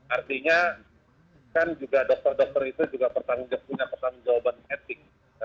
artinya kan juga dokter dokter itu juga punya pertanggung jawaban etik